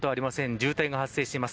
渋滞が発生しています。